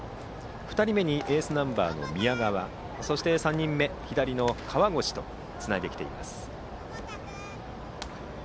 ２人目にエースナンバーの宮川そして、３人目左の河越とつないでいます。